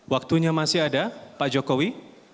waktunya masih ada pak jokowi